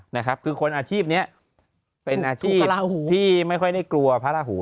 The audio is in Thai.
นะครับคือคนอาชีพนี้เป็นอาชีพที่ไม่ค่อยได้กลัวพระราหู